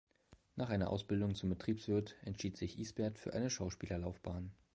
Nach einer Ausbildung zum Betriebswirt entschied sich Isbert für eine Schauspielerlaufbahn.